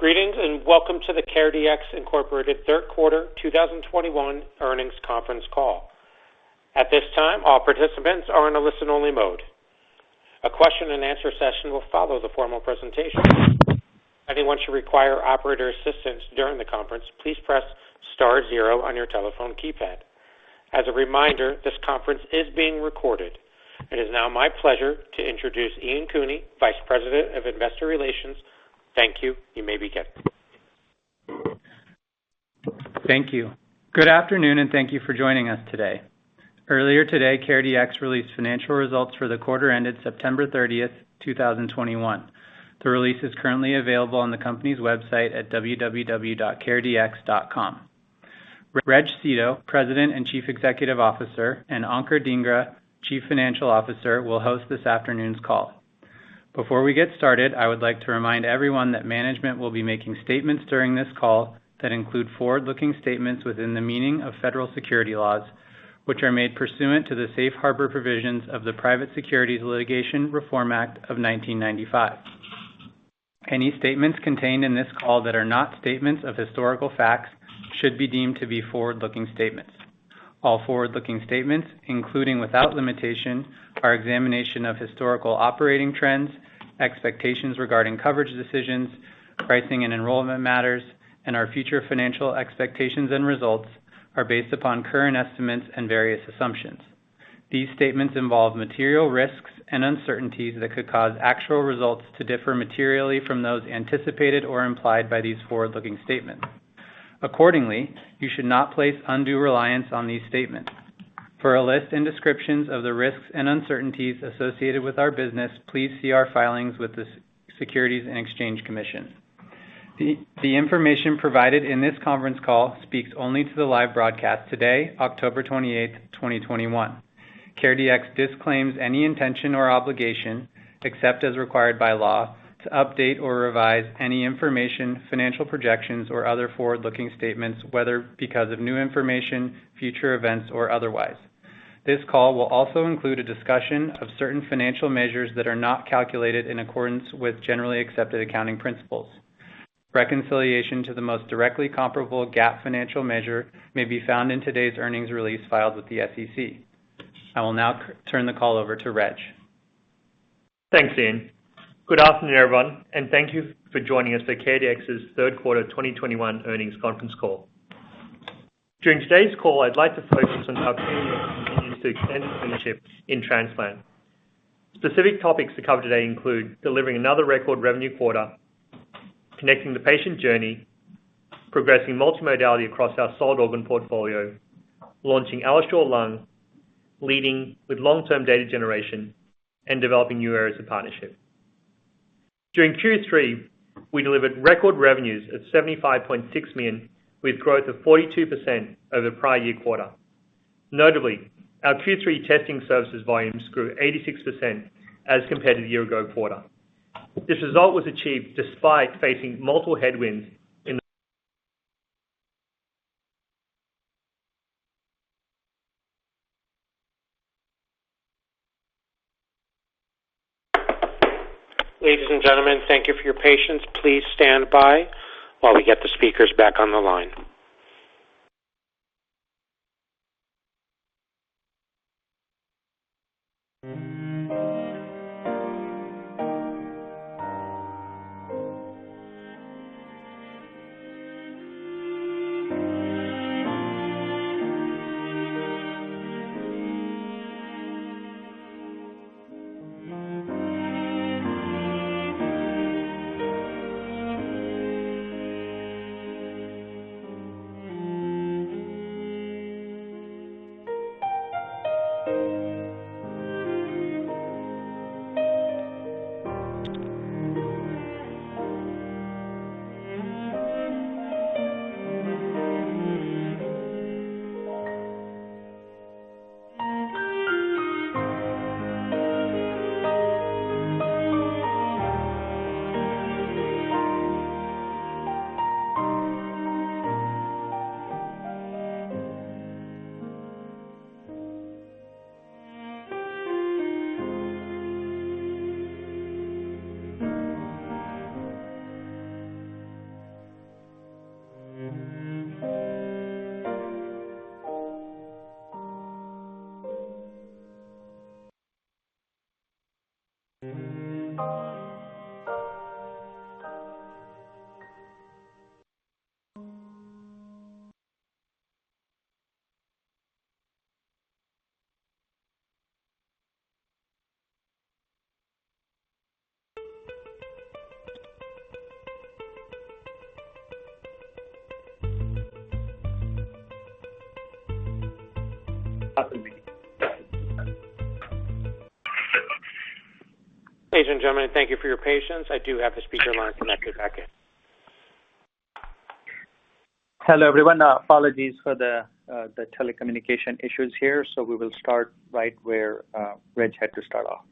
Greetings, and welcome to the CareDx, Inc. third quarter 2021 earnings conference call. At this time, all participants are in a listen-only mode. A question-and-answer session will follow the formal presentation. If anyone should require operator assistance during the conference, please press star zero on your telephone keypad. As a reminder, this conference is being recorded. It is now my pleasure to introduce Ian Cooney, Vice President of Investor Relations. Thank you. You may begin. Thank you. Good afternoon, and thank you for joining us today. Earlier today, CareDx released financial results for the quarter ended September 30, 2021. The release is currently available on the company's website at www.caredx.com. Reg Seeto, President and Chief Executive Officer; and Ankur Dhingra, Chief Financial Officer, will host this afternoon's call. Before we get started, I would like to remind everyone that management will be making statements during this call that include forward-looking statements within the meaning of federal security laws, which are made pursuant to the Safe Harbor Provisions of the Private Securities Litigation Reform Act of 1995. Any statements contained in this call that are not statements of historical facts should be deemed to be forward-looking statements. All forward-looking statements, including without limitation, our examination of historical operating trends, expectations regarding coverage decisions, pricing and enrollment matters, and our future financial expectations and results are based upon current estimates and various assumptions. These statements involve material risks and uncertainties that could cause actual results to differ materially from those anticipated or implied by these forward-looking statements. Accordingly, you should not place undue reliance on these statements. For a list and descriptions of the risks and uncertainties associated with our business, please see our filings with the Securities and Exchange Commission. The information provided in this conference call speaks only to the live broadcast today, October 28, 2021. CareDx disclaims any intention or obligation, except as required by law, to update or revise any information, financial projections, or other forward-looking statements, whether because of new information, future events, or otherwise. This call will also include a discussion of certain financial measures that are not calculated in accordance with generally accepted accounting principles. Reconciliation to the most directly comparable GAAP financial measure may be found in today's earnings release filed with the SEC. I will now turn the call over to Reg. Thanks, Ian. Good afternoon, everyone, and thank you for joining us for CareDx's third quarter of 2021 earnings conference call. During today's call, I'd like to focus on how CareDx continues to extend its leadership in transplant. Specific topics to cover today include delivering another record revenue quarter, connecting the patient journey, progressing multimodality across our solid organ portfolio, launching AlloSure Lung, leading with long-term data generation, and developing new areas of partnership. During Q3, we delivered record revenues of $75.6 million, with 42% growth over the prior year-ago quarter. Notably, our Q3 testing services volumes grew 86% as compared to year-ago quarter. This result was achieved despite facing multiple headwinds in- Ladies and gentlemen, thank you for your patience. Please stand by while we get the speakers back on the line. Ladies and gentlemen, thank you for your patience. I do have the speaker line connected back in. Hello, everyone. Apologies for the telecommunication issues here. We will start right where Reg had to start off.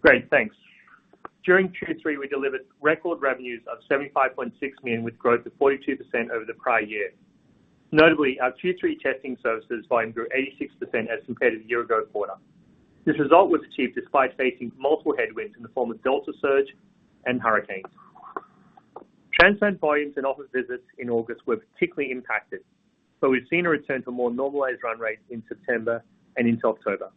Great. Thanks. During Q3, we delivered record revenues of $75.6 million, with growth of 42% over the prior year. Notably, our Q3 testing services volume grew 86% as compared to the year ago quarter. This result was achieved despite facing multiple headwinds in the form of Delta surge and hurricanes. Transplant volumes and office visits in August were particularly impacted, but we've seen a return to more normalized run rates in September and into October.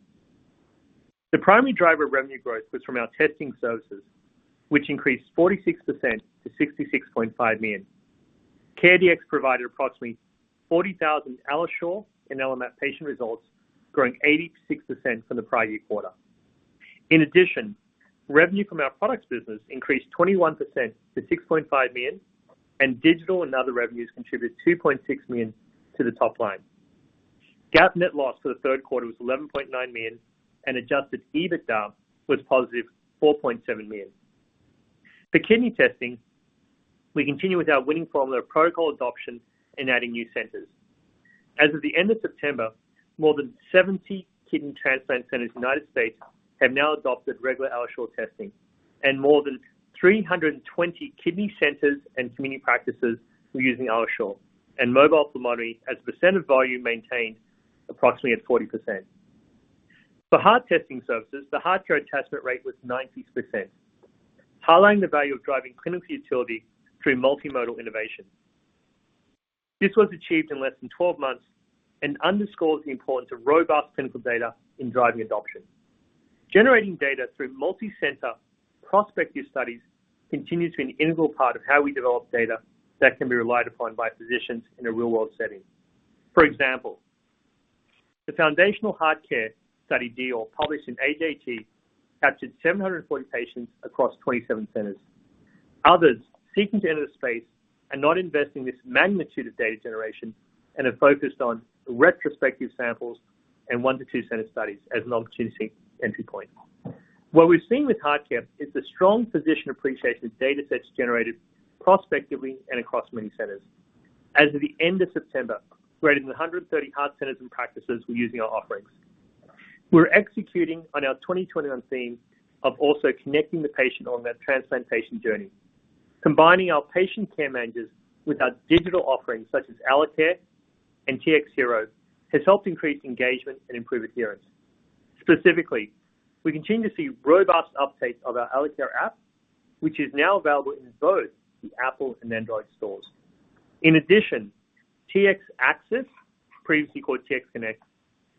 The primary driver of revenue growth was from our testing services, which increased 46% to $66.5 million. CareDx provided approximately 40,000 AlloSure and AlloMap patient results, growing 86% from the prior year quarter. In addition, revenue from our products business increased 21% to $6.5 million, and digital and other revenues contributed $2.6 million to the top line. GAAP net loss for the third quarter was $11.9 million, and adjusted EBITDA was positive $4.7 million. For kidney testing, we continue with our winning formula of protocol adoption and adding new centers. As of the end of September, more than 70 kidney transplant centers in the United States have now adopted regular AlloSure testing, and more than 320 kidney centers and community practices were using AlloSure. Mobile phlebotomy as a percent of volume maintained approximately at 40%. For heart testing services, the HeartCare attachment rate was 90%, highlighting the value of driving clinical utility through multimodal innovation. This was achieved in less than 12 months and underscores the importance of robust clinical data in driving adoption. Generating data through multi-center prospective studies continues to be an integral part of how we develop data that can be relied upon by physicians in a real-world setting. For example, the foundational HeartCare study, D-OAR, published in AJT, captured 740 patients across 27 centers. Others seeking to enter the space are not investing this magnitude of data generation and are focused on retrospective samples and one to two center studies as an opportunity entry point. What we've seen with HeartCare is the strong physician appreciation of data sets generated prospectively and across many centers. As of the end of September, greater than 130 heart centers and practices were using our offerings. We're executing on our 2021 theme of also connecting the patient on that transplantation journey. Combining our patient care managers with our digital offerings such as AlloCare and TX Hero has helped increase engagement and improve adherence. Specifically, we continue to see robust updates of our AlloCare app, which is now available in both the Apple and Android stores. In addition, TxAccess, previously called TX Connect,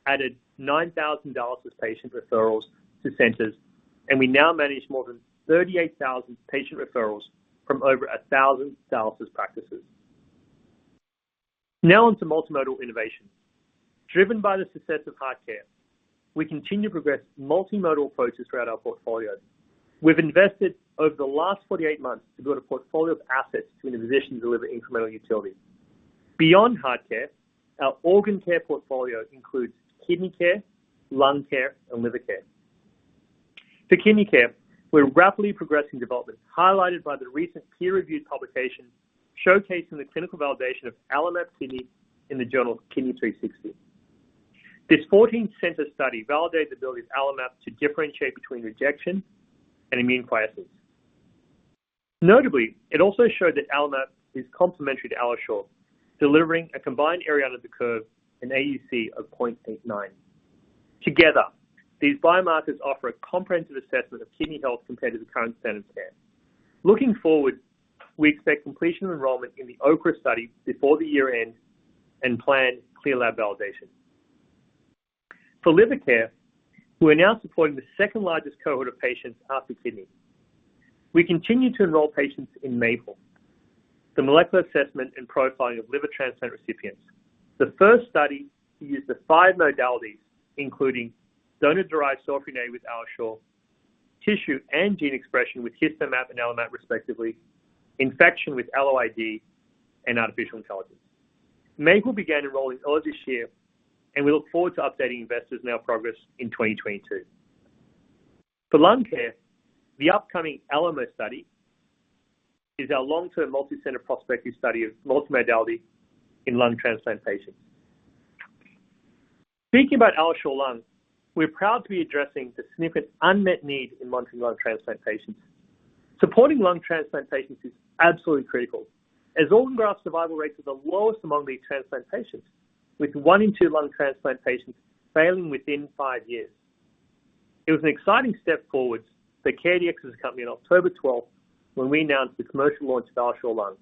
added 9,000 dialysis patient referrals to centers, and we now manage more than 38,000 patient referrals from over 1,000 dialysis practices. Now on to multimodal innovation. Driven by the success of HeartCare, we continue to progress multimodal approaches throughout our portfolio. We've invested over the last 48 months to build a portfolio of assets to enable physicians to deliver incremental utility. Beyond HeartCare, our organ care portfolio includes kidney care, lung care, and liver care. For kidney care, we're rapidly progressing development, highlighted by the recent peer-reviewed publication showcasing the clinical validation of AlloMap Kidney in Kidney360. This 14-center study validates the ability of AlloMap to differentiate between rejection and immune complexes. Notably, it also showed that AlloMap is complementary to AlloSure, delivering a combined area under the curve, an AUC of 0.89. Together, these biomarkers offer a comprehensive assessment of kidney health compared to the current standard of care. Looking forward, we expect completion of enrollment in the OKRA study before the year-end and plan clear lab validation. For liver care, we're now supporting the second-largest cohort of patients after kidney. We continue to enroll patients in MAPLE, the molecular assessment and profiling of liver transplant recipients. The first study to use the five modalities, including donor-derived cell-free DNA with AlloSure, tissue and gene expression with HistoMap and AlloMap respectively, infection with AlloID, and artificial intelligence. MAPLE began enrolling earlier this year, and we look forward to updating investors on our progress in 2022. For lung care, the upcoming ALAMO study is our long-term multi-center prospective study of multimodality in lung transplant patients. Speaking about AlloSure Lung, we're proud to be addressing the significant unmet need in lung transplant patients. Supporting lung transplant patients is absolutely critical, as organ graft survival rates are the lowest among the transplant patients, with one in two lung transplant patients failing within five years. It was an exciting step forward for CareDx as a company on October 12 when we announced the commercial launch of AlloSure Lung,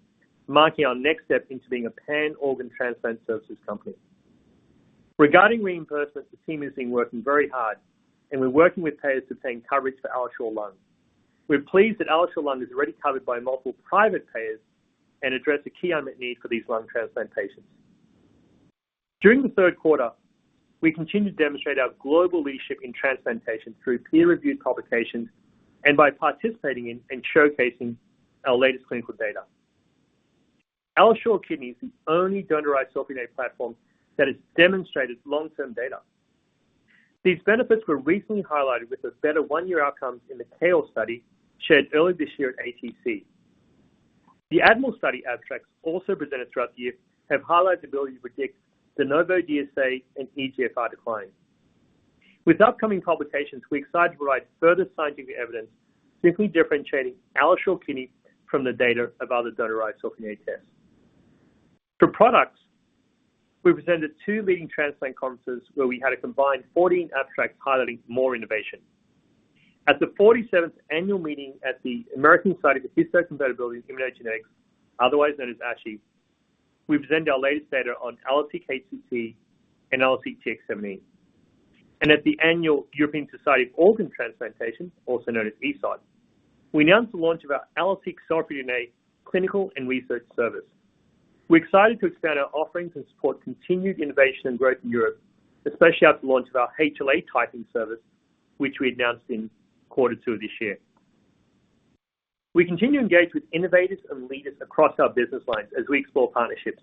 marking our next step into being a pan-organ transplant services company. Regarding reimbursement, the team has been working very hard, and we're working with payers to obtain coverage for AlloSure Lung. We're pleased that AlloSure Lung is already covered by multiple private payers and address a key unmet need for these lung transplant patients. During the third quarter, we continued to demonstrate our global leadership in transplantation through peer-reviewed publications and by participating in and showcasing our latest clinical data. AlloSure Kidney is the only donor-derived cfDNA platform that has demonstrated long-term data. These benefits were recently highlighted with the better one-year outcomes in the TAIL study shared early this year at ATC. The ADMIRAL study abstracts also presented throughout the year have highlighted the ability to predict de novo DSA and eGFR decline. With upcoming publications, we're excited to provide further scientific evidence simply differentiating AlloSure Kidney from the data of other donor-derived cfDNA tests. For products, we presented two leading transplant conferences where we had a combined 14 abstracts highlighting more innovation. At the 47th annual meeting of the American Society for Histocompatibility and Immunogenetics, otherwise known as ASHI, we presented our latest data on AlloSeq cfDNA and AlloSeq Tx. At the annual European Society for Organ Transplantation, also known as ESOT, we announced the launch of our AlloSeq HCT clinical and research service. We're excited to expand our offerings and support continued innovation and growth in Europe, especially after the launch of our HLA typing service, which we announced in quarter two of this year. We continue to engage with innovators and leaders across our business lines as we explore partnerships.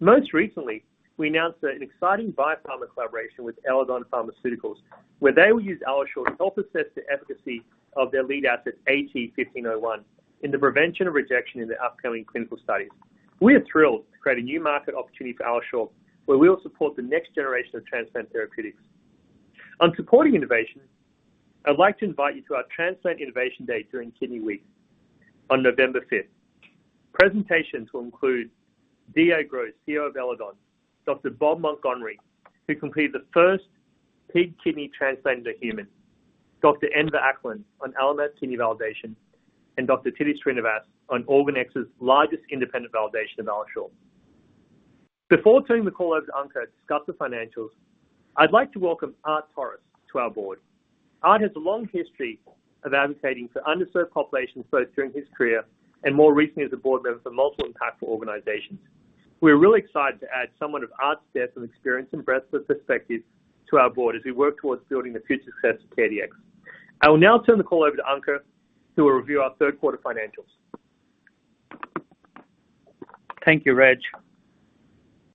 Most recently, we announced an exciting biopharma collaboration with Eledon Pharmaceuticals, where they will use AlloSure to help assess the efficacy of their lead asset AT-1501 in the prevention of rejection in their upcoming clinical studies. We are thrilled to create a new market opportunity for AlloSure, where we will support the next generation of transplant therapeutics. On supporting innovation, I'd like to invite you to our Transplant Innovation Day during Kidney Week on November 5th. Presentations will include Diego Gross, CEO of Eledon; Dr. Bob Montgomery, who completed the first pig kidney transplant into humans; Dr. Enver Akalin on AlloMap Kidney validation; and Dr. Titte Srinivas on OrganX's largest independent validation of AlloSure. Before turning the call over to Ankur to discuss the financials, I'd like to welcome Art Torres to our board. Art has a long history of advocating for underserved populations, both during his career and more recently as a board member for multiple impactful organizations. We are really excited to add someone of Art's depth of experience and breadth of perspective to our board as we work towards building the future success of CareDx. I will now turn the call over to Ankur, who will review our third quarter financials. Thank you, Reg.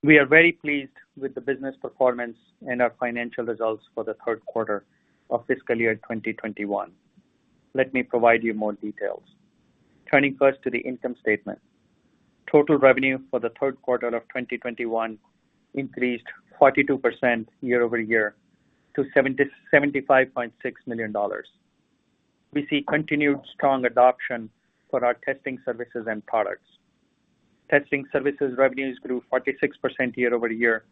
We are very pleased with the business performance and our financial results for the third quarter of fiscal year 2021. Let me provide you more details. Turning first to the income statement. Total revenue for the third quarter of 2021 increased 42% year-over-year to $77.6 million. We see continued strong adoption for our testing services and products. Testing services revenues grew 46% year-over-year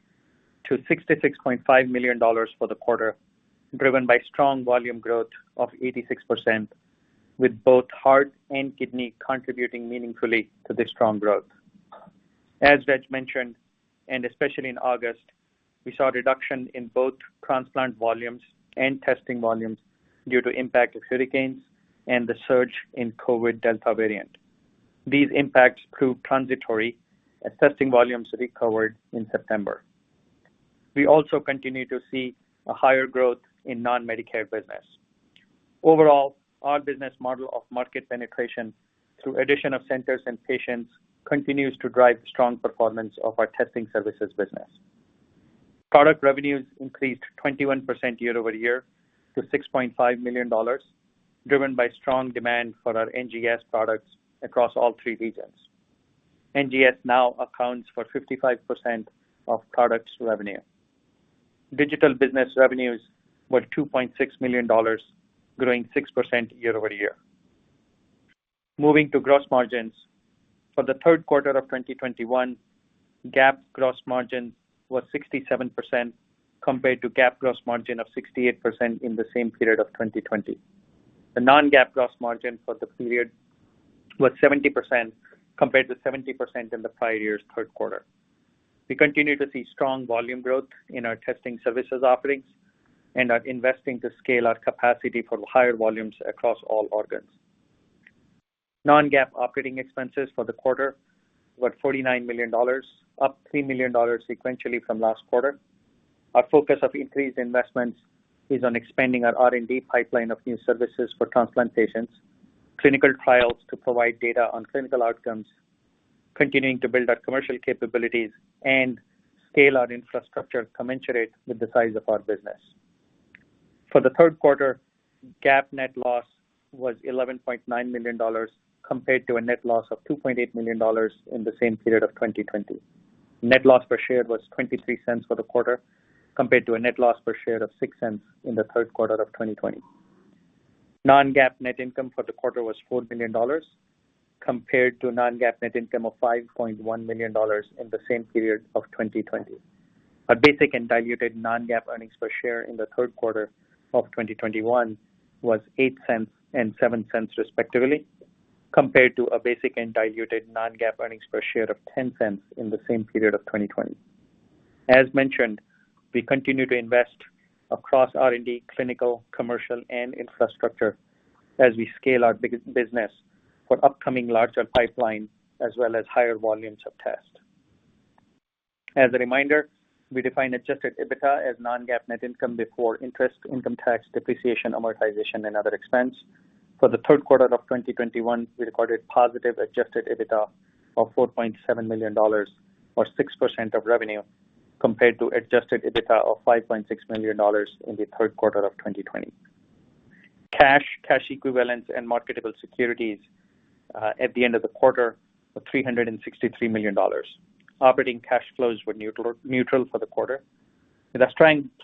to $66.5 million for the quarter, driven by strong volume growth of 86%, with both heart and kidney contributing meaningfully to this strong growth. As Reg mentioned, and especially in August, we saw a reduction in both transplant volumes and testing volumes due to impact of hurricanes and the surge in COVID Delta variant. These impacts proved transitory as testing volumes recovered in September. We also continue to see a higher growth in non-Medicare business. Overall, our business model of market penetration through addition of centers and patients continues to drive strong performance of our testing services business. Product revenues increased 21% year-over-year to $6.5 million, driven by strong demand for our NGS products across all three regions. NGS now accounts for 55% of products revenue. Digital business revenues were $2.6 million, growing 6% year-over-year. Moving to gross margins. For the third quarter of 2021, GAAP gross margin was 67% compared to GAAP gross margin of 68% in the same period of 2020. The non-GAAP gross margin for the period was 70% compared to 70% in the prior year's third quarter. We continue to see strong volume growth in our testing services offerings and are investing to scale our capacity for higher volumes across all organs. Non-GAAP operating expenses for the quarter were $49 million, up $3 million sequentially from last quarter. Our focus of increased investments is on expanding our R&D pipeline of new services for transplant patients, clinical trials to provide data on clinical outcomes, continuing to build our commercial capabilities, and scale our infrastructure commensurate with the size of our business. For the third quarter, GAAP net loss was $11.9 million compared to a net loss of $2.8 million in the same period of 2020. Net loss per share was $0.23 for the quarter compared to a net loss per share of $0.06 in the third quarter of 2020. Non-GAAP net income for the quarter was $4 million compared to non-GAAP net income of $5.1 million in the same period of 2020. Our basic and diluted non-GAAP earnings per share in the third quarter of 2021 was $0.08 and $0.07 respectively compared to a basic and diluted non-GAAP earnings per share of $0.10 in the same period of 2020. As mentioned, we continue to invest across R&D, clinical, commercial, and infrastructure as we scale our business for upcoming larger pipeline as well as higher volumes of tests. As a reminder, we define adjusted EBITDA as non-GAAP net income before interest, income tax, depreciation, amortization, and other expense. For the third quarter of 2021, we recorded positive adjusted EBITDA of $4.7 million or 6% of revenue compared to adjusted EBITDA of $5.6 million in the third quarter of 2020. Cash, cash equivalents and marketable securities at the end of the quarter of $363 million. Operating cash flows were neutral for the quarter. With a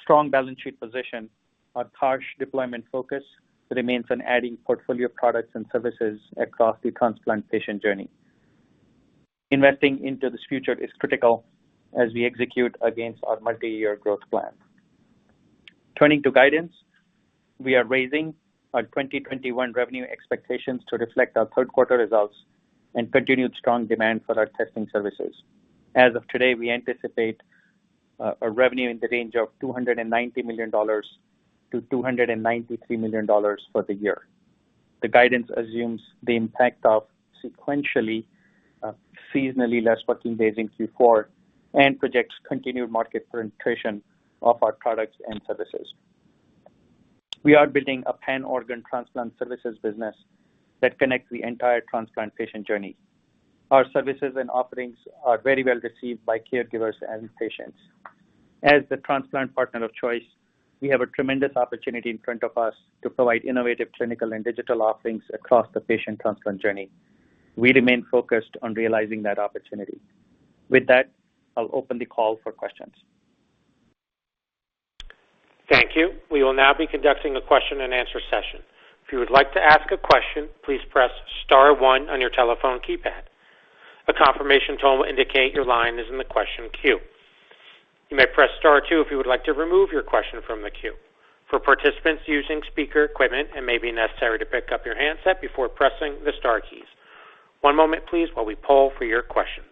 strong balance sheet position, our cash deployment focus remains on adding portfolio of products and services across the transplant patient journey. Investing into this future is critical as we execute against our multi-year growth plan. Turning to guidance, we are raising our 2021 revenue expectations to reflect our third quarter results and continued strong demand for our testing services. As of today, we anticipate a revenue in the range of $290 million-$293 million for the year. The guidance assumes the impact of sequentially, seasonally less working days in Q4 and projects continued market penetration of our products and services. We are building a pan-organ transplant services business that connects the entire transplant patient journey. Our services and offerings are very well received by caregivers and patients. As the transplant partner of choice, we have a tremendous opportunity in front of us to provide innovative clinical and digital offerings across the patient transplant journey. We remain focused on realizing that opportunity. With that, I'll open the call for questions. Thank you. We will now be conducting a question and answer session. If you would like to ask a question, please press star one on your telephone keypad. A confirmation tone will indicate your line is in the question queue. You may press star two if you would like to remove your question from the queue. For participants using speaker equipment, it may be necessary to pick up your handset before pressing the star keys. One moment, please, while we poll for your questions.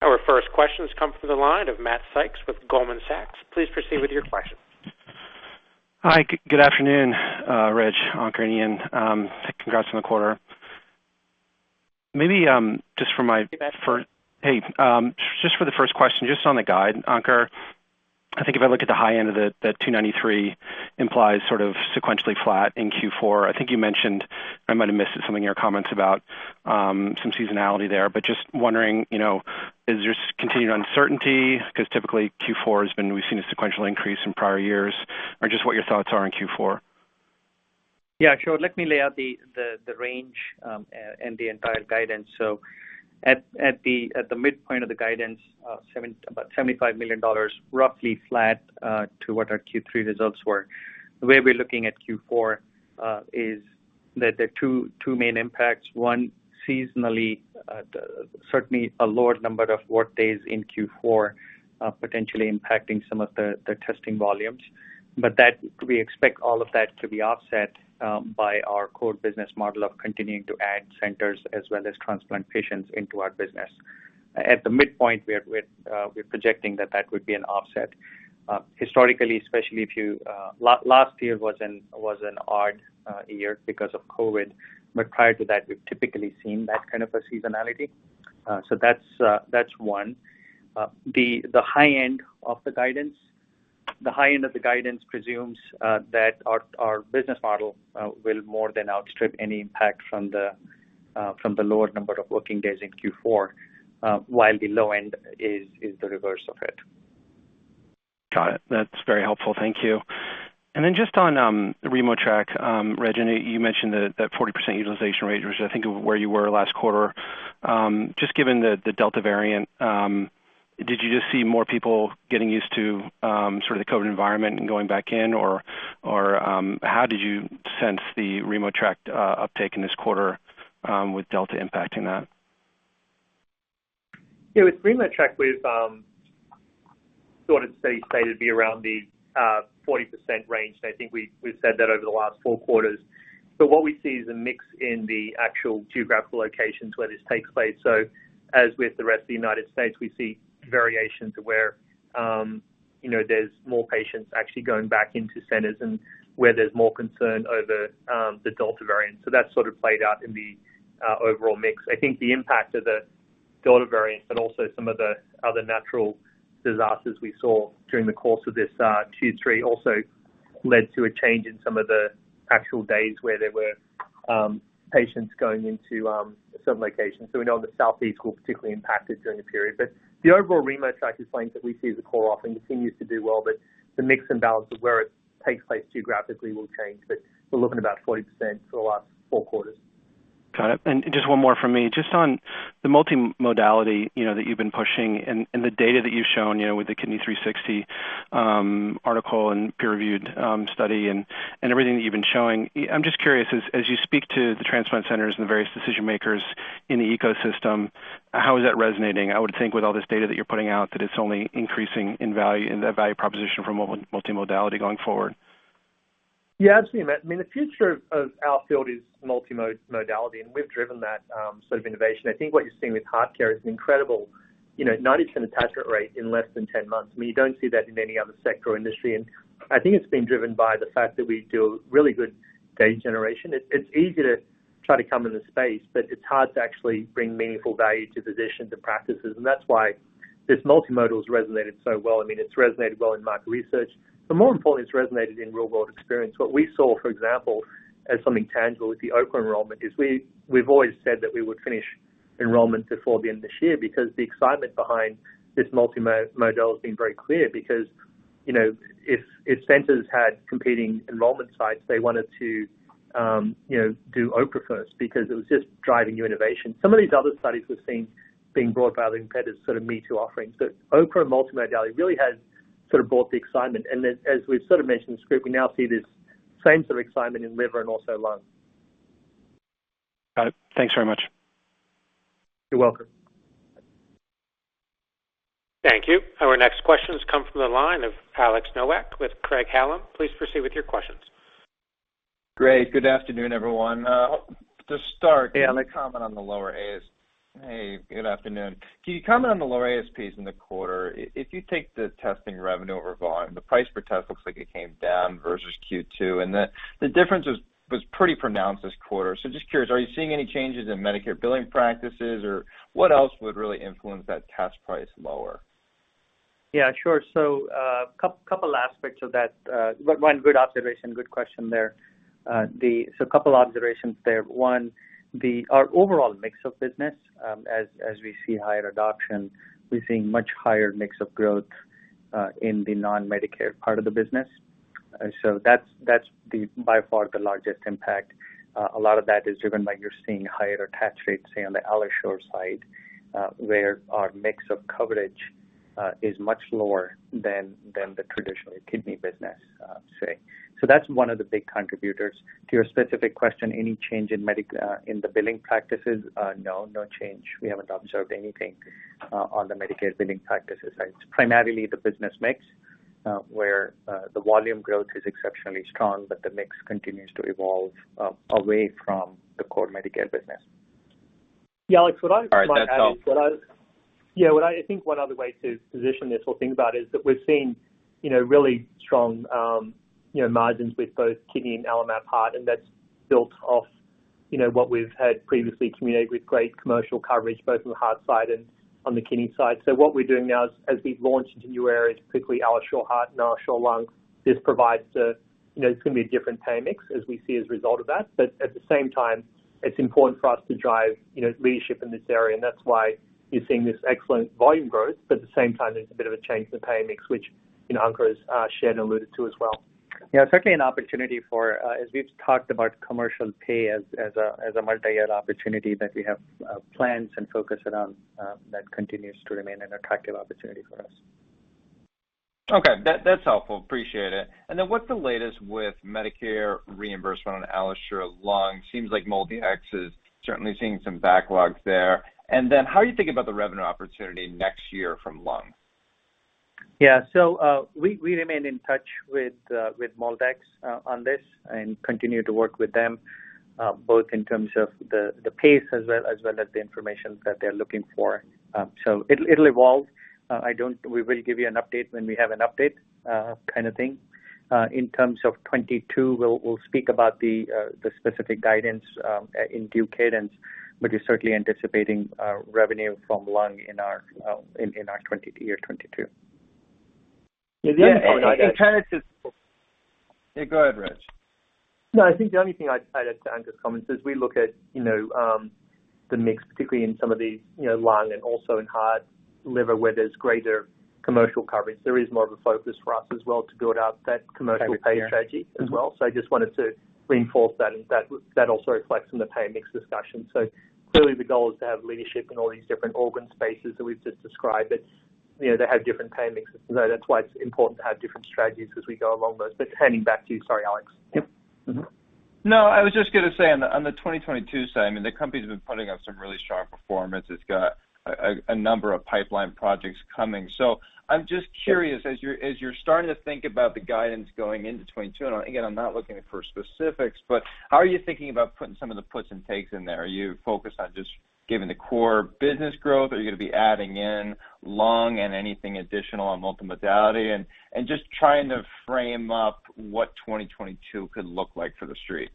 Our first question has come through the line of Matt Sykes with Goldman Sachs. Please proceed with your question. Hi. Good afternoon, Reg, Ankur, and Ian. Congrats on the quarter. Maybe, just for my first- Hey, Matt. Hey, just for the first question, just on the guide, Ankur. I think if I look at the high end of the $293 implies sort of sequentially flat in Q4. I think you mentioned, I might have missed some of your comments about some seasonality there, but just wondering, you know, is there continued uncertainty? Because typically Q4 has been, we've seen a sequential increase in prior years, or just what your thoughts are in Q4. Yeah, sure. Let me lay out the range and the entire guidance. At the midpoint of the guidance, about $75 million, roughly flat to what our Q3 results were. The way we're looking at Q4 is that there are two main impacts. One, seasonally, certainly a lower number of workdays in Q4, potentially impacting some of the testing volumes. We expect all of that to be offset by our core business model of continuing to add centers as well as transplant patients into our business. At the midpoint, we are projecting that would be an offset. Historically, especially last year was an odd year because of COVID, but prior to that, we've typically seen that kind of a seasonality. That's one. The high end of the guidance presumes that our business model will more than outstrip any impact from the lower number of working days in Q4, while the low end is the reverse of it. Got it. That's very helpful. Thank you. Just on RemoTraC, Reg, and you mentioned that 40% utilization rate, which I think where you were last quarter. Just given the Delta variant, did you just see more people getting used to sort of the COVID environment and going back in or how did you sense the RemoTraC uptake in this quarter, with Delta impacting that? Yeah, with RemoTraC, we've sort of stayed at around the 40% range. I think we've said that over the last four quarters. What we see is a mix in the actual geographical locations where this takes place. As with the rest of the United States, we see variations where you know, there's more patients actually going back into centers and where there's more concern over the Delta variant. That's sort of played out in the overall mix. I think the impact of the Delta variant and also some of the other natural disasters we saw during the course of this Q3 also led to a change in some of the actual days where there were patients going into some locations. We know the Southeast was particularly impacted during the period. The overall RemoTraC is something that we see the core offering continues to do well, but the mix and balance of where it takes place geographically will change. We're looking about 40% for the last four quarters. Got it. Just one more from me. Just on the multimodality, you know, that you've been pushing and the data that you've shown, you know, with the Kidney360 article and peer-reviewed study and everything that you've been showing. I'm just curious, as you speak to the transplant centers and the various decision-makers in the ecosystem, how is that resonating? I would think with all this data that you're putting out, that it's only increasing in value, in the value proposition for multimodality going forward. Yeah, absolutely, Matt. I mean, the future of our field is multimodality, and we've driven that sort of innovation. I think what you're seeing with HeartCare is an incredible, you know, 90% attachment rate in less than 10 months. I mean, you don't see that in any other sector or industry. I think it's been driven by the fact that we do really good data generation. It's easy to try to come in the space, but it's hard to actually bring meaningful value to physicians and practices. That's why this multimodal has resonated so well. I mean, it's resonated well in market research, but more importantly, it's resonated in real-world experience. What we saw, for example, as something tangible with the OKRA enrollment is we've always said that we would finish enrollment before the end of this year because the excitement behind this multi-modality has been very clear because, you know, if centers had competing enrollment sites, they wanted to, you know, do OKRA first because it was just driving new innovation. Some of these other studies we're seeing being brought by other competitors, sort of me-too offerings. OKRA multi-modality really has sort of brought the excitement. Then as we've sort of mentioned in this group, we now see this same sort of excitement in liver and also lung. Got it. Thanks very much. You're welcome. Thank you. Our next question has come from the line of Alex Nowak with Craig-Hallum. Please proceed with your questions. Great. Good afternoon, everyone. To start. Hey, Alex. Hey, good afternoon. Can you comment on the lower ASPs in the quarter? If you take the testing revenue over volume, the price per test looks like it came down versus Q2, and the difference was pretty pronounced this quarter. Just curious, are you seeing any changes in Medicare billing practices, or what else would really influence that test price lower? Yeah, sure. Couple aspects of that. One good observation, good question there. A couple observations there. One, our overall mix of business, as we see higher adoption, we're seeing much higher mix of growth in the non-Medicare part of the business. That's by far the largest impact. A lot of that is driven by you're seeing higher attach rates, say, on the AlloSure side, where our mix of coverage is much lower than the traditional kidney business, say. That's one of the big contributors. To your specific question, any change in the billing practices? No. No change. We haven't observed anything on the Medicare billing practices. It's primarily the business mix, where the volume growth is exceptionally strong, but the mix continues to evolve away from the core Medicare business. Yeah, Alex, what I might add is. All right. That's all. Yeah. What I think one other way to position this or think about is that we've seen, you know, really strong, you know, margins with both kidney and AlloMap Heart, and that's built off, you know, what we've had previously communicated with great commercial coverage both on the heart side and on the kidney side. What we're doing now is, as we launch into new areas, particularly AlloSure Heart and AlloSure Lung, this provides, you know, it's gonna be a different payer mix as we see as a result of that. But at the same time, it's important for us to drive, you know, leadership in this area, and that's why you're seeing this excellent volume growth. But at the same time, there's a bit of a change in the payer mix, which, you know, Ankur has shared and alluded to as well. Yeah. It's certainly an opportunity for, as we've talked about commercial payers, as a multi-year opportunity that we have plans and focus around, that continues to remain an attractive opportunity for us. Okay. That's helpful. Appreciate it. What's the latest with Medicare reimbursement on AlloSure Lung? Seems like MolDX is certainly seeing some backlogs there. How are you thinking about the revenue opportunity next year from AlloSure Lung? We remain in touch with MolDX on this and continue to work with them both in terms of the pace as well as the information that they're looking for. It'll evolve. We will give you an update when we have an update, kind of thing. In terms of 2022, we'll speak about the specific guidance in due course, but we're certainly anticipating revenue from AlloSure Lung in our 2022. Yeah. The only thing I'd add. Yeah. Yeah, go ahead, Reg. No, I think the only thing I'd add to Ankur's comments is we look at, you know, the mix, particularly in some of the, you know, lung and also in heart, liver, where there's greater commercial coverage. There is more of a focus for us as well to build out that commercial pay strategy as well. I just wanted to reinforce that, and that also reflects in the pay mix discussion. Clearly the goal is to have leadership in all these different organ spaces that we've just described that, you know, they have different pay mixes. That's why it's important to have different strategies as we go along those. Handing back to you. Sorry, Alex. No, I was just gonna say on the 2022 side, I mean, the company's been putting up some really strong performance. It's got a number of pipeline projects coming. So I'm just curious, as you're starting to think about the guidance going into 2022, and again, I'm not looking for specifics, but how are you thinking about putting some of the puts and takes in there? Are you focused on just giving the core business growth? Are you gonna be adding in lung and anything additional on multimodality? Just trying to frame up what 2022 could look like for the street.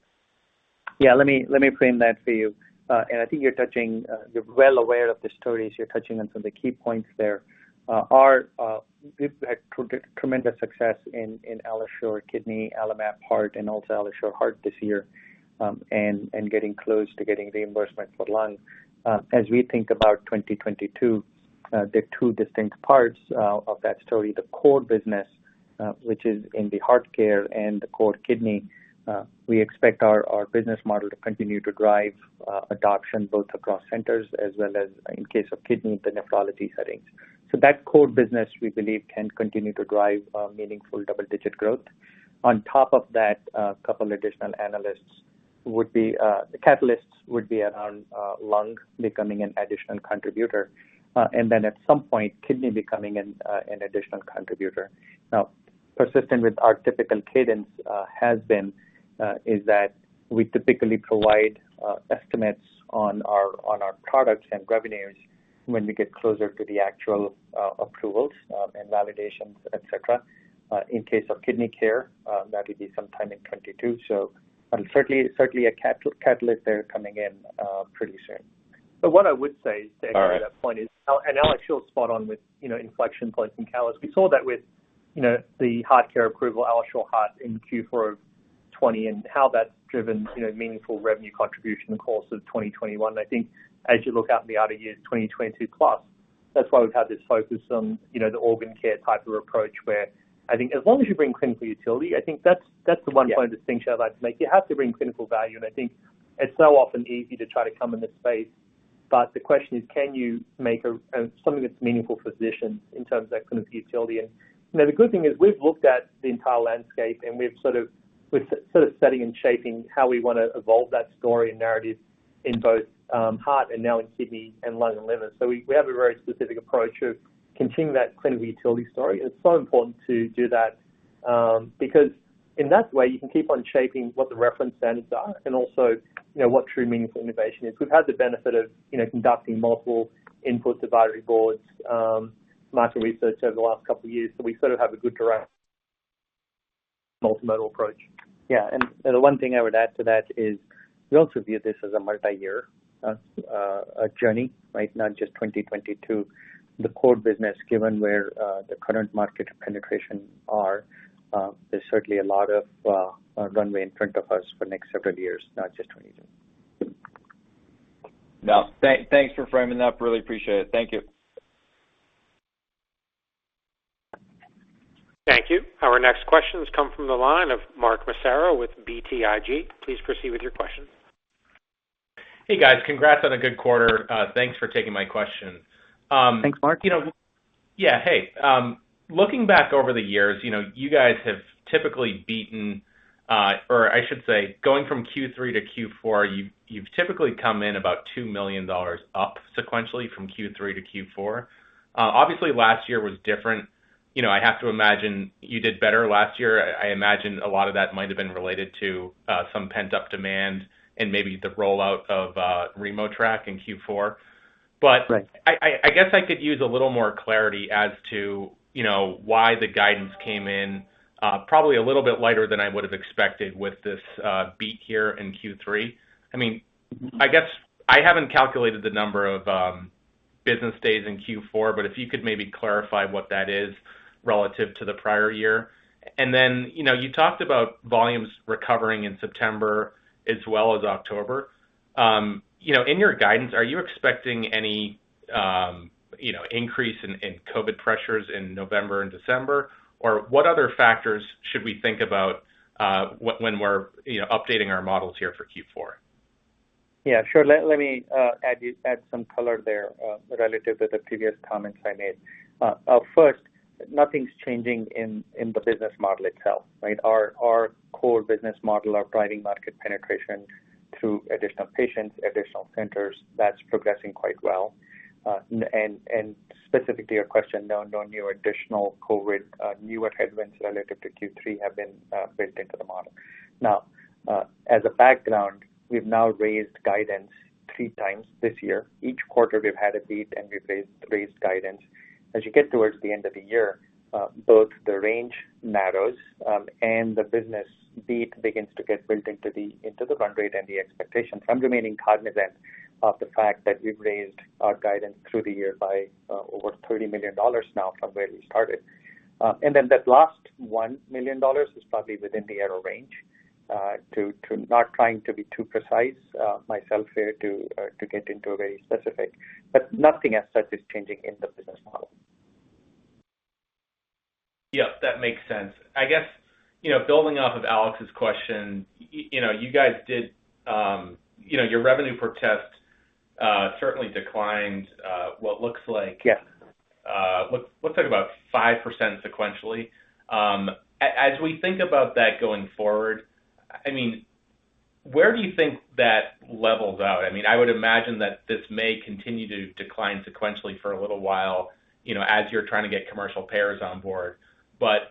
Yeah, let me frame that for you. I think you're touching on some of the key points there. You're well aware of the stories. We've had tremendous success in AlloSure Kidney, AlloMap Heart, and also AlloSure Heart this year, and getting close to getting reimbursement for lung. As we think about 2022, there are two distinct parts of that story, the core business, which is in the HeartCare and the KidneyCare. We expect our business model to continue to drive adoption both across centers as well as in case of kidney, the nephrology settings. That core business, we believe, can continue to drive meaningful double-digit growth. On top of that, a couple additional catalysts would be around lung becoming an additional contributor, and then at some point, kidney becoming an additional contributor. Now, consistent with our typical cadence, is that we typically provide estimates on our products and revenues when we get closer to the actual approvals and validations, et cetera. In case of KidneyCare, that would be sometime in 2022. Certainly a catalyst there coming in pretty soon. What I would say All right. To that point is, Alex, you're spot on with, you know, inflection points in CareDx. We saw that with, you know, the HeartCare approval, AlloSure Heart in Q4 of 2020 and how that's driven, you know, meaningful revenue contribution in the course of 2021. I think as you look out in the outer years, 2022 plus, that's why we've had this focus on, you know, the organ care type of approach, where I think as long as you bring clinical utility, I think that's the one point distinction I'd like to make. You have to bring clinical value. I think it's so often easy to try to come in this space. The question is, can you make a something that's meaningful for physicians in terms of that clinical utility? You know, the good thing is we've looked at the entire landscape, and we're sort of setting and shaping how we wanna evolve that story and narrative in both heart and now in kidney and lung and liver. We have a very specific approach of continuing that clinical utility story. It's so important to do that because in that way you can keep on shaping what the reference standards are and also, you know, what true meaningful innovation is. We've had the benefit of, you know, conducting multiple input advisory boards, market research over the last couple of years. We sort of have a good direct multimodal approach. The one thing I would add to that is we also view this as a multi-year, a journey, right? Not just 2022. The core business, given where the current market penetration are, there's certainly a lot of runway in front of us for next several years, not just 2022. No, thanks for framing that. Really appreciate it. Thank you. Thank you. Our next question comes from the line of Mark Massaro with BTIG. Please proceed with your question. Hey, guys. Congrats on a good quarter. Thanks for taking my questions. Thanks, Mark. Looking back over the years, you know, you guys have typically beaten, or I should say, going from Q3 to Q4, you've typically come in about $2 million up sequentially from Q3 to Q4. Obviously last year was different. You know, I have to imagine you did better last year. I imagine a lot of that might have been related to some pent-up demand and maybe the rollout of RemoTraC in Q4. Right. I guess I could use a little more clarity as to, you know, why the guidance came in, probably a little bit lighter than I would have expected with this, beat here in Q3. I mean, I guess I haven't calculated the number of business days in Q4, but if you could maybe clarify what that is relative to the prior year. Then, you know, you talked about volumes recovering in September as well as October. You know, in your guidance, are you expecting any, you know, increase in COVID pressures in November and December? Or what other factors should we think about, when we're, you know, updating our models here for Q4? Yeah, sure. Let me add some color there relative to the previous comments I made. First, nothing's changing in the business model itself, right? Our core business model are driving market penetration through additional patients, additional centers. That's progressing quite well. Specifically your question, no new additional COVID newer headwinds relative to Q3 have been built into the model. Now, as a background, we've now raised guidance 3x this year. Each quarter we've had a beat, and we've raised guidance. As you get towards the end of the year, both the range narrows and the business beat begins to get built into the run rate and the expectations. I'm remaining cognizant of the fact that we've raised our guidance through the year by over $30 million now from where we started. Then that last $1 million is probably within the error range, not trying to be too precise myself here to get into a very specific. But nothing as such is changing in the business model. Yeah, that makes sense. I guess, you know, building off of Alex's question, you know, you guys did, you know, your revenue per test certainly declined, what looks like. Yeah. Looks like about 5% sequentially. As we think about that going forward, I mean, where do you think that levels out? I mean, I would imagine that this may continue to decline sequentially for a little while, you know, as you're trying to get commercial payers on board.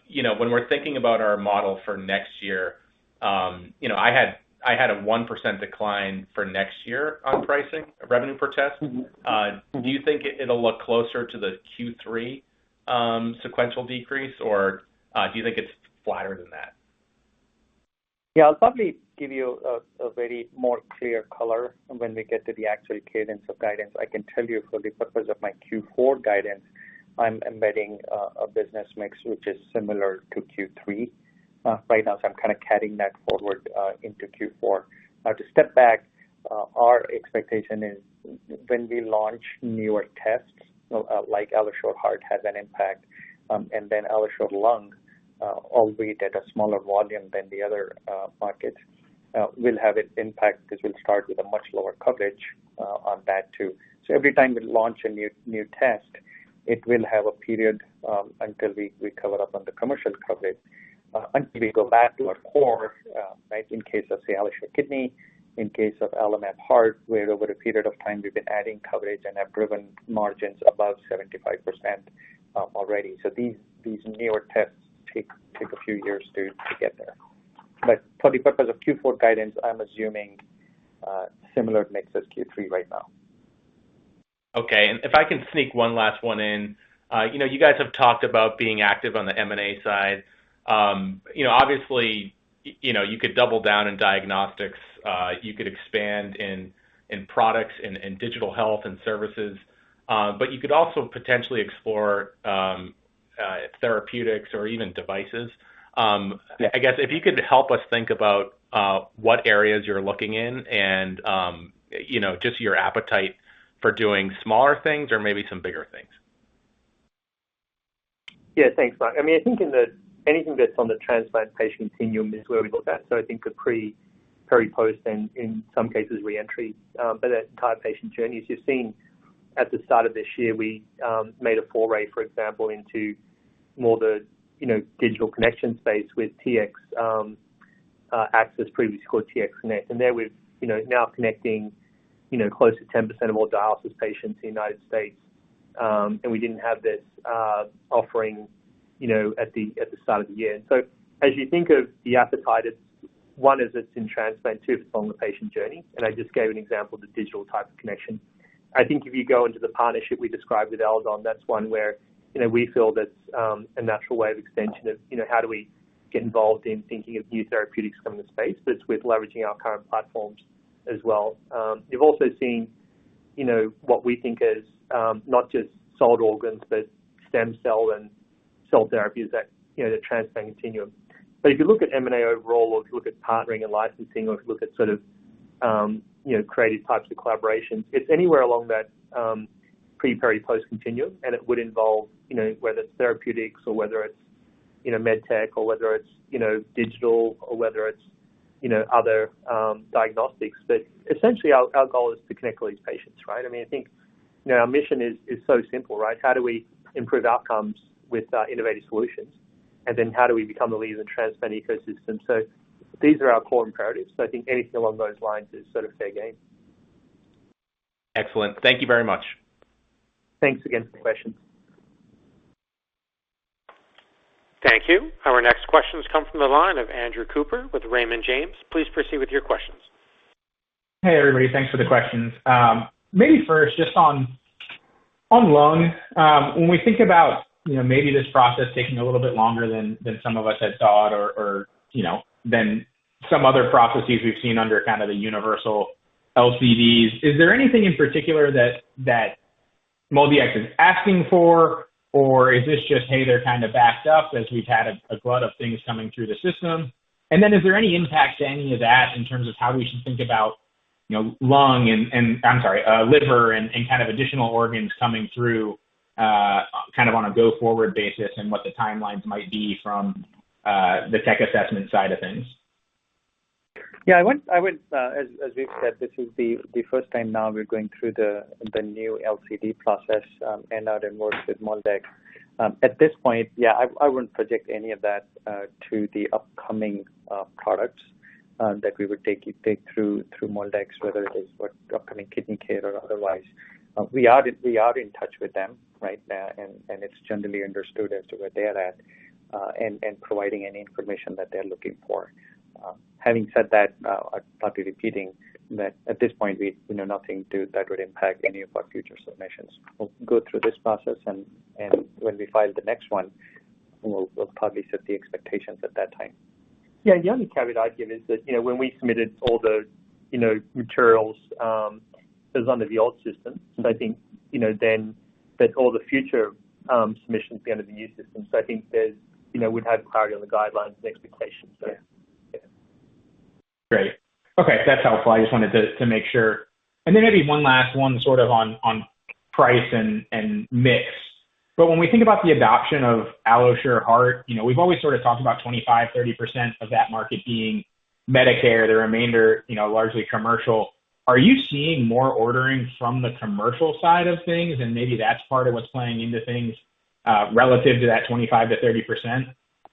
You know, when we're thinking about our model for next year, you know, I had a 1% decline for next year on pricing, revenue per test. Mm-hmm. Do you think it'll look closer to the Q3 sequential decrease, or do you think it's flatter than that? Yeah. I'll probably give you a very more clear color when we get to the actual cadence of guidance. I can tell you for the purpose of my Q4 guidance, I'm embedding a business mix which is similar to Q3 right now. I'm kinda carrying that forward into Q4. Now to step back, our expectation is when we launch newer tests like AlloSure Heart has an impact, and then AlloSure Lung, albeit at a smaller volume than the other markets, will have an impact 'cause we'll start with a much lower coverage on that too. Every time we launch a new test, it will have a period until we cover up on the commercial coverage until we go back to our core, right? In case of, say, AlloSure Kidney, in case of AlloMap Heart, where over a period of time we've been adding coverage and have driven margins above 75% already. These newer tests take a few years to get there. For the purpose of Q4 guidance, I'm assuming similar mix as Q3 right now. Okay. If I can sneak one last one in. You know, you guys have talked about being active on the M&A side. You know, obviously, you know, you could double down in diagnostics. You could expand in products, in digital health and services. But you could also potentially explore therapeutics or even devices. I guess if you could help us think about what areas you're looking in and you know just your appetite for doing smaller things or maybe some bigger things. Yeah, thanks, Mark. I mean, I think anything that's on the transplant patient continuum is where we look at. I think a pre, peri, post, and in some cases reentry, but that entire patient journey, as you've seen at the start of this year, we made a foray, for example, into more the, you know, digital connection space with TxAccess previously called TX Connect. There we're, you know, now connecting, you know, close to 10% of all dialysis patients in the United States. We didn't have this offering, you know, at the start of the year. As you think of the appetite, it's one, is it's in transplant, two, it's along the patient journey. I just gave an example of the digital type of connection. I think if you go into the partnership we described with Eledon, that's one where, you know, we feel that it's a natural way of extension of, you know, how do we get involved in thinking of new therapeutics from the space that's worth leveraging our current platforms as well. You've also seen, you know, what we think is not just solid organs, but stem cell and cell therapies that, you know, the transplant continuum. If you look at M&A overall or if you look at partnering and licensing or if you look at sort of, you know, creative types of collaborations, it's anywhere along that pre, peri, post continuum. It would involve, you know, whether it's therapeutics or whether it's, you know, med tech or whether it's, you know, digital or whether it's, you know, other diagnostics. Essentially our goal is to connect all these patients, right? I mean, I think, you know, our mission is so simple, right? How do we improve outcomes with innovative solutions? And then how do we become the leader in transplant ecosystem? These are our core imperatives. I think anything along those lines is sort of fair game. Excellent. Thank you very much. Thanks again for the question. Thank you. Our next questions come from the line of Andrew Cooper with Raymond James. Please proceed with your questions. Hey, everybody. Thanks for the questions. Maybe first just on lung. When we think about, you know, maybe this process taking a little bit longer than some of us had thought or, you know, than some other processes we've seen under kind of the universal LCDs, is there anything in particular that MolDX is asking for? Or is this just, hey, they're kind of backed up as we've had a glut of things coming through the system? And then is there any impact to any of that in terms of how we should think about, you know, lung and, I'm sorry, liver and kind of additional organs coming through kind of on a go-forward basis and what the timelines might be from the tech assessment side of things? Yeah, I would, as Vivek said, this is the first time now we're going through the new LCD process, and are working with MolDX. At this point, yeah, I wouldn't project any of that to the upcoming products that we would take through MolDX, whether it is for upcoming KidneyCare or otherwise. We are in touch with them, right? And it's generally understood as to where they're at, and providing any information that they're looking for. Having said that, I'd probably be repeating that at this point we know nothing that would impact any of our future submissions. We'll go through this process and when we file the next one, we'll probably set the expectations at that time. Yeah. The only caveat I'd give is that, you know, when we submitted all the, you know, materials, it was under the old system. I think, you know, then that all the future submissions will be under the new system. I think there's, you know, we'd have clarity on the guidelines and expectations, so. Yeah. Yeah. Great. Okay, that's helpful. I just wanted to make sure. Maybe one last one sort of on price and mix. When we think about the adoption of AlloSure Heart, you know, we've always sort of talked about 25%, 30% of that market being Medicare, the remainder, you know, largely commercial. Are you seeing more ordering from the commercial side of things? And maybe that's part of what's playing into things relative to that 25%-30%?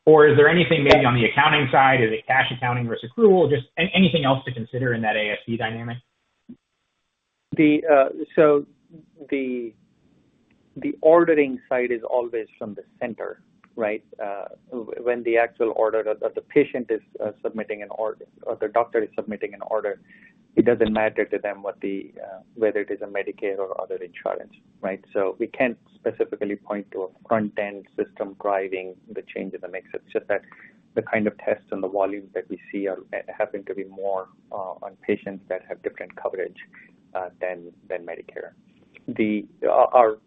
Or is there anything maybe on the accounting side? Is it cash accounting versus accrual? Just anything else to consider in that ASP dynamic? The ordering side is always from the center, right? When the actual order, the patient is submitting an order or the doctor is submitting an order, it doesn't matter to them whether it is Medicare or other insurance, right? We can't specifically point to a front-end system driving the change in the mix. It's just that the kind of tests and the volumes that we see happen to be more on patients that have different coverage than Medicare.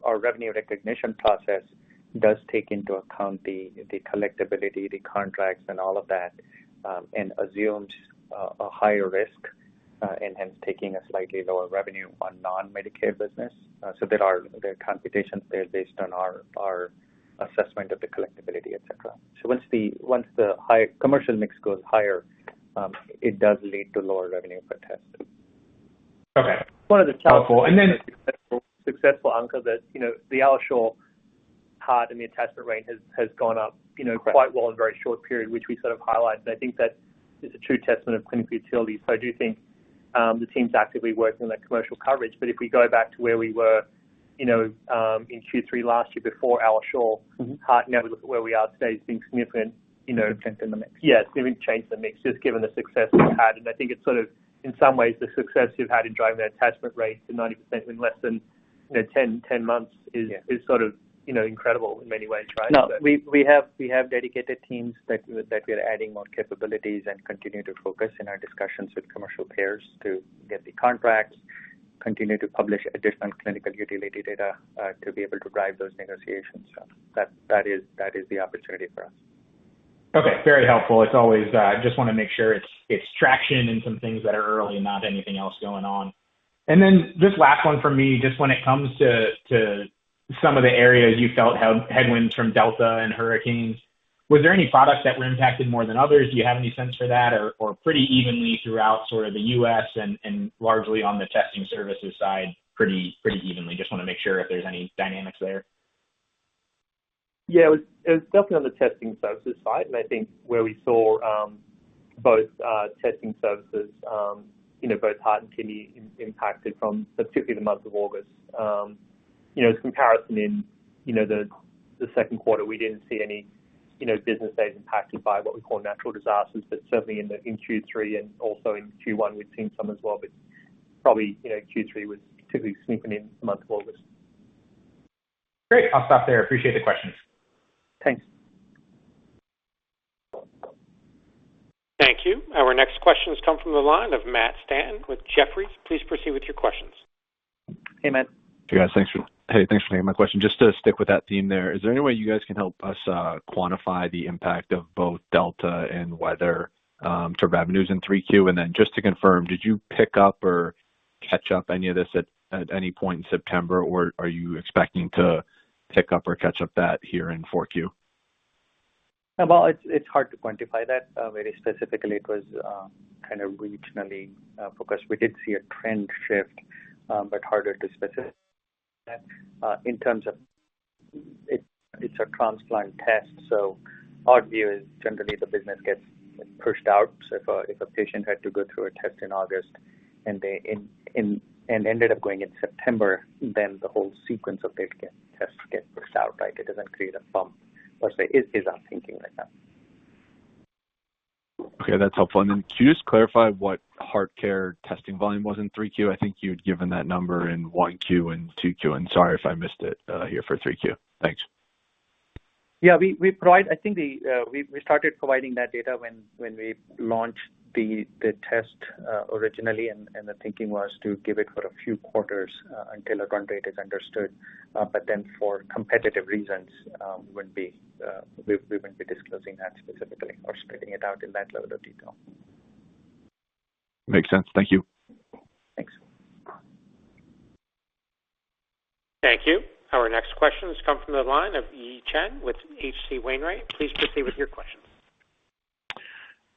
Our revenue recognition process does take into account the collectibility, the contracts and all of that, and assumes a higher risk and hence taking a slightly lower revenue on non-Medicare business. There are computations there based on our assessment of the collectibility, et cetera. Once the high commercial mix goes higher, it does lead to lower revenue per test. Okay. One of the challenges. Helpful. Successful, Ankur, that you know the AlloSure Heart and the attachment rate has gone up you know quite well in a very short period, which we sort of highlighted. I think that is a true testament of clinical utility. I do think the team's actively working on that commercial coverage. If we go back to where we were you know in Q3 last year before AlloSure Heart, now we look at where we are today, it's been significant, you know. Change in the mix. Yeah, significant change in the mix, just given the success we've had. I think it's sort of in some ways the success we've had in driving the attachment rate to 90% in less than, you know, 10 months is sort of, you know, incredible in many ways, right? No, we have dedicated teams that we are adding more capabilities and continue to focus in our discussions with commercial payers to get the contracts. Continue to publish additional clinical utility data to be able to drive those negotiations. That is the opportunity for us. Okay. Very helpful as always. I just wanna make sure it's traction in some things that are early, not anything else going on. Just last one from me, just when it comes to some of the areas you felt had headwinds from Delta and hurricanes, were there any products that were impacted more than others? Do you have any sense for that or pretty evenly throughout sort of the U.S. and largely on the testing services side pretty evenly? Just wanna make sure if there's any dynamics there. Yeah. It was definitely on the testing services side. I think where we saw both testing services you know both heart and kidney impacted from particularly the month of August. You know in comparison in you know the second quarter we didn't see any you know business days impacted by what we call natural disasters. Certainly in Q3 and also in Q1 we've seen some as well. Probably you know Q3 was particularly significant in the month of August. Great. I'll stop there. Appreciate the questions. Thanks. Thank you. Our next question has come from the line of Matt Stanton with Jefferies. Please proceed with your questions. Hey, Matt. Hey, guys. Thanks for taking my question. Just to stick with that theme there, is there any way you guys can help us quantify the impact of both Delta and weather to revenues in 3Q? And then just to confirm, did you pick up or catch up any of this at any point in September or are you expecting to pick up or catch up that here in 4Q? Well, it's hard to quantify that very specifically. It was kind of regionally focused. We did see a trend shift, but harder to specify in terms of. It's a transplant test, so our view is generally the business gets pushed out. If a patient had to go through a test in August and they ended up going in September, then the whole sequence of tests get pushed out, right? It doesn't create a bump per se. That's our thinking right now. Okay, that's helpful. Can you just clarify what HeartCare testing volume was in 3Q? I think you'd given that number in 1Q and 2Q, and sorry if I missed it here for 3Q. Thanks. Yeah. We provide. I think we started providing that data when we launched the test originally. The thinking was to give it for a few quarters until a trend rate is understood. For competitive reasons, we won't be disclosing that specifically or splitting it out in that level of detail. Makes sense. Thank you. Thanks. Thank you. Our next question has come from the line of Yi Chen with H.C. Wainwright. Please proceed with your question.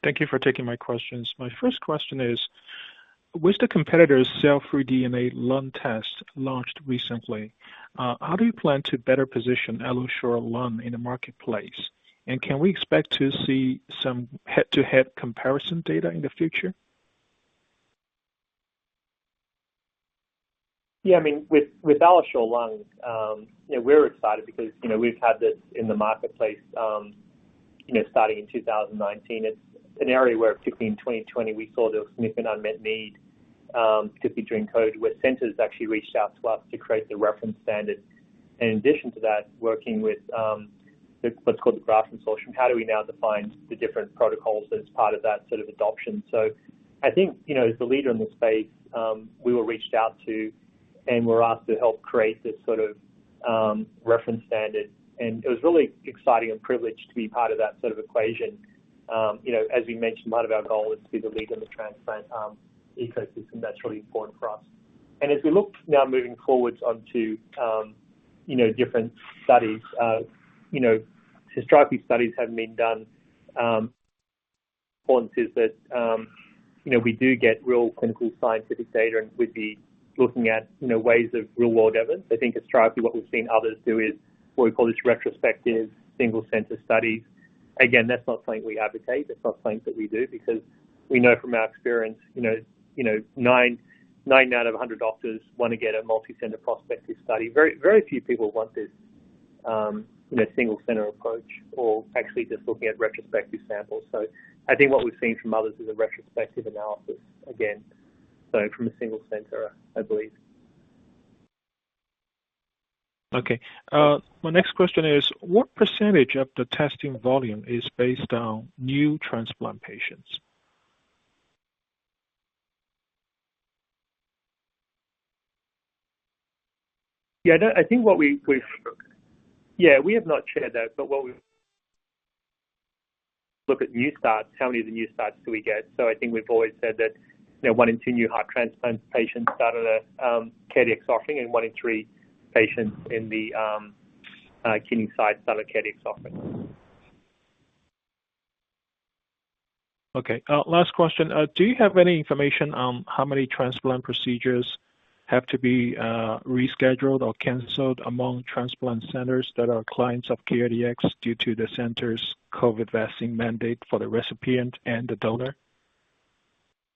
Thank you for taking my questions. My first question is, with the competitor's cell-free DNA lung test launched recently, how do you plan to better position AlloSure Lung in the marketplace? Can we expect to see some head-to-head comparison data in the future? Yeah, I mean, with AlloSure Lung, you know, we're excited because, you know, we've had this in the marketplace, you know, starting in 2019. It's an area where particularly in 2020 we saw there was significant unmet need, particularly in COVID, where centers actually reached out to us to create the reference standard. In addition to that, working with what's called the GRAFT Consortium, how do we now define the different protocols as part of that sort of adoption? I think, you know, as the leader in the space, we were reached out to and were asked to help create this sort of reference standard. It was really exciting and a privilege to be part of that sort of equation. You know, as we mentioned, part of our goal is to be the lead in the transplant ecosystem. That's really important for us. As we look now moving forward onto, you know, different studies, you know, historically studies have been done, the point is that, you know, we do get real clinical scientific data, and we'd be looking at, you know, ways of real-world evidence. I think historically, what we've seen others do is what we call this retrospective single center studies. Again, that's not something we advocate. It's not something that we do because we know from our experience, you know, 99 out of 100 doctors wanna get a multi-center prospective study. Very, very few people want this, you know, single center approach or actually just looking at retrospective samples. I think what we've seen from others is a retrospective analysis again, so from a single center, I believe. Okay. My next question is what percentage of the testing volume is based on new transplant patients? I think we have not shared that. What we look at new starts, how many of the new starts do we get? I think we've always said that, you know, one in two new heart transplant patients started at CareDx offering and one in three patients in the kidney side started CareDx offering. Okay. Last question. Do you have any information on how many transplant procedures have to be rescheduled or canceled among transplant centers that are clients of CareDx due to the center's COVID vaccine mandate for the recipient and the donor?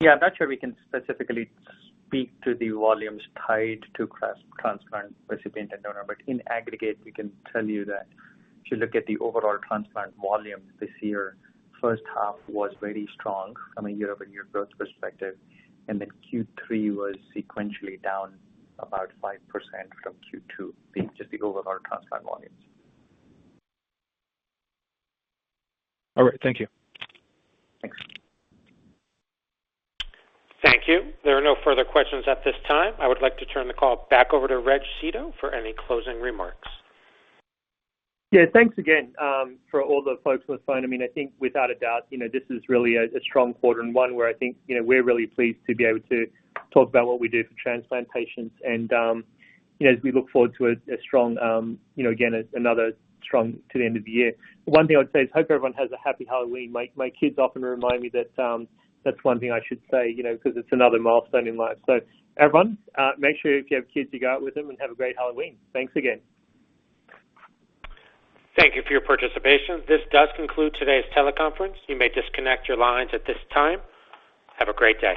Yeah. I'm not sure we can specifically speak to the volumes tied to transplant recipient and donor. In aggregate, we can tell you that if you look at the overall transplant volume this year, first half was very strong from a year-over-year growth perspective, and then Q3 was sequentially down about 5% from Q2, just the overall transplant volumes. All right. Thank you. Thanks. Thank you. There are no further questions at this time. I would like to turn the call back over to Reg Seeto for any closing remarks. Yeah. Thanks again for all the folks on the phone. I mean, I think without a doubt, you know, this is really a strong quarter and one where I think, you know, we're really pleased to be able to talk about what we do for transplant patients. As we look forward to a strong, you know, again, another strong to the end of the year. The one thing I would say is, I hope everyone has a happy Halloween. My kids often remind me that that's one thing I should say, you know, because it's another milestone in life. Everyone, make sure if you have kids, you go out with them and have a great Halloween. Thanks again. Thank you for your participation. This does conclude today's teleconference. You may disconnect your lines at this time. Have a great day.